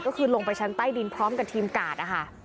ก็คือลงไปชั้นใต้ดินพร้อมกับทีมกาดนะคะ